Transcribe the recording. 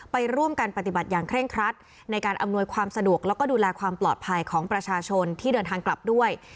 ไปร่วมกันปฏิบัติอย่างเร่งครัดในการอำนวยความสะดวกแล้วก็ดูแลความปลอดภัยของประชาชนที่เดินทางกลับด้วย